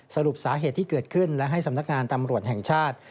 สรุปสาเหตุที่เกิดขึ้นและให้สำนักงานตำรวจแห่งชาติ